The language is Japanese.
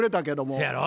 そやろ？